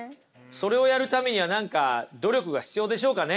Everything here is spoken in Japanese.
それをやるためには何か努力が必要でしょうかね？